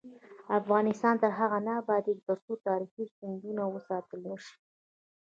افغانستان تر هغو نه ابادیږي، ترڅو تاریخي سندونه وساتل نشي.